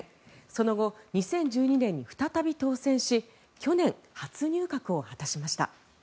その後、２０１２年に再び当選し去年、初入閣を果たしました。